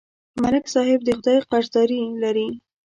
ملک صاحب د خدای قرضداري لري